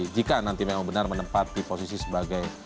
jika nanti memang benar menempati posisi sebagai